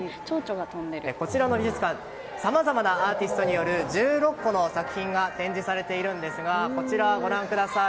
こちらの美術館さまざまなアーティストによる１６個の作品が展示されているんですがこちら、ご覧ください。